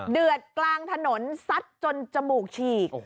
เดือดกลางถนนซัดจนจมูกฉีก